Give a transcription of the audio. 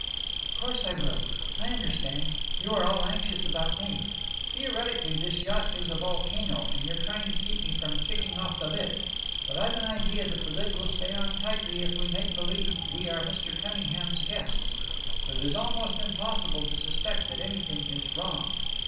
"Of course I will! I understand. You are all anxious about me. Theoretically, this yacht is a volcano, and you're trying to keep me from kicking off the lid. But I've an idea that the lid will stay on tightly if we make believe we are Mr. Cunningham's guests. But it is almost impossible to suspect that anything is wrong.